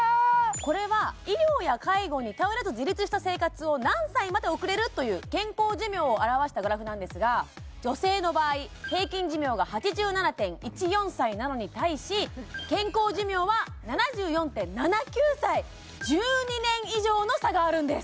これは医療や介護に頼らず自立した生活を何歳まで送れる？という健康寿命を表したグラフなんですが女性の場合平均寿命が８７．１４歳なのに対し健康寿命は７４．７９歳１２年以上の差があるんです